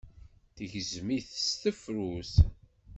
Yegzem-it s tefrut.